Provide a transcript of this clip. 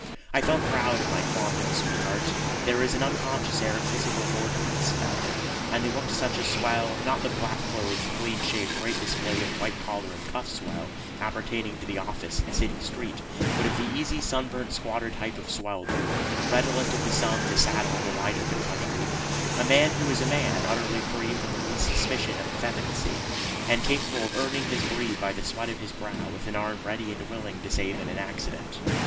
I felt proud of my quondam sweetheart. There was an unconscious air of physical lordliness about him, and he looked such a swell not the black clothed, clean shaved, great display of white collar and cuffs swell appertaining to the office and city street, but of the easy sunburnt squatter type of swelldom, redolent of the sun, the saddle, the wide open country a man who is a man, utterly free from the least suspicion of effeminacy, and capable of earning his bread by the sweat of his brow with an arm ready and willing to save in an accident.